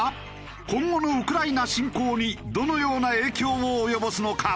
今後のウクライナ侵攻にどのような影響を及ぼすのか？